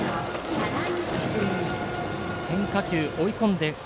変化球、追い込んで。